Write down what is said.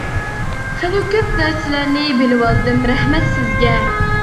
خىلى كۆپ نەرسىلەرنى بىلىۋالدىم رەھمەت سىزگە.